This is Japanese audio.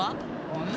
うん？